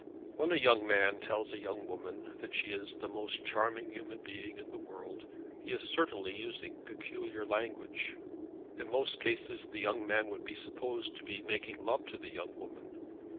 When a young man tells a young woman that she is the most charming human being in the world, he is certainly using peculiar language. In most cases the young man would be supposed to be making love to the young woman.